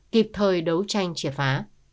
kịp thời đấu tranh chìa phá